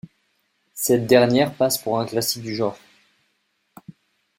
Cette dernière passe pour un classique du genre.